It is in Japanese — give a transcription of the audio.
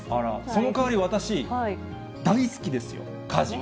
そのかわり、私、大好きですよ、家事。